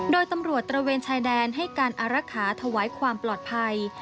โดยตำรวจตระเวนชายแดนให้การอารักษาถวายความปลอดภัย